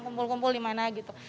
kumpul kumpul di mana gitu